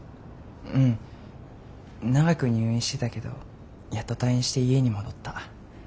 うん長く入院してたけどやっと退院して家に戻った。